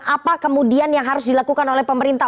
apa kemudian yang harus dilakukan oleh pemerintah